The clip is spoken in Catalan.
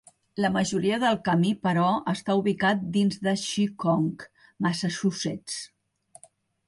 La majoria del camí, però, està ubicat dins de Seekonk (Massachusetts).